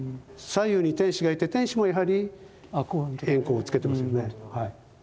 左右に天使がいて天使もやはり円光をつけてますよね。